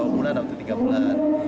dua bulan waktu tiga bulan